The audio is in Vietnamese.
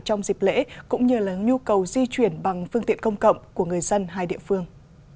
trong dịp lễ cũng như là nhu cầu di chuyển bằng phương tiện công cộng của người dân hai địa phương